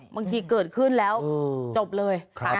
บางทีเกิดขึ้นแล้วจบเลย